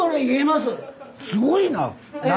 すごいな。